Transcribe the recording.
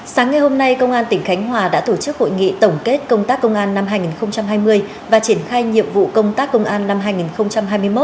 sáng ngày hôm nay công an tỉnh khánh hòa đã tổ chức hội nghị tổng kết công tác công an năm hai nghìn hai mươi và triển khai nhiệm vụ công tác công an năm hai nghìn hai mươi một